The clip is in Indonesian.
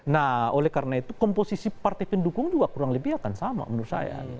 nah oleh karena itu komposisi partai pendukung juga kurang lebih akan sama menurut saya